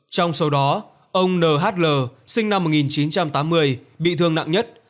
trong số đó ông n h l sinh năm một nghìn chín trăm tám mươi bị thương nặng nhất